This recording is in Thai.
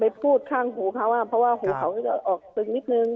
พูดข้างหูเขาเพราะว่าหูเขาก็จะออกตึงนิดนึง